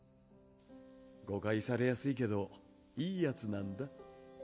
誤解されやすいけどいいヤツなんだ。